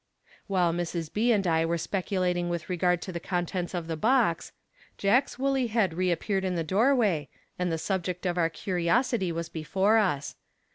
While Mrs. B. and I were speculating with regard to the contents of the box, Jack's woolly head reappeared in the doorway, and the subject of our curiosity was before us.